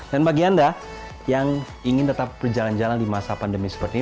dan bagi anda yang ingin tetap berjalan jalan di masa pandemi seperti ini